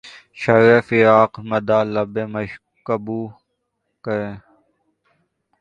شرح فراق مدح لب مشکبو کریں